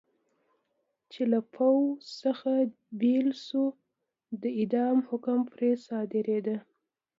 چې له پوځ څخه بېل شوي و، د اعدام حکم پرې صادرېده.